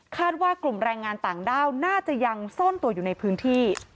ว่ากลุ่มแรงงานต่างด้าวน่าจะยังซ่อนตัวอยู่ในพื้นที่